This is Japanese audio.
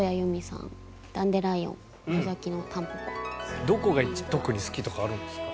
私はどこが特に好きとかあるんですか？